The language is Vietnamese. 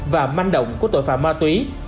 và manh động của tội phạm ma túy